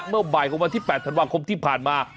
เมื่อบ่ายของวันที่๘ธันวาคมที่ผ่านมา